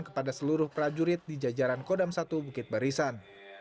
kepada seluruh prajurit di jajaran kodam satu bukit barisan